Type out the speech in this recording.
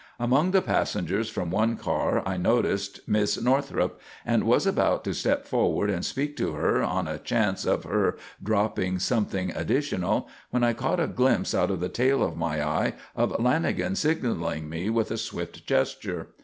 Among the passengers from one car I noticed Miss Northrup, and was about to step forward and speak to her on a chance of her dropping something additional when I caught a glimpse out of the tail of my eye of Lanagan signaling me with a swift gesture.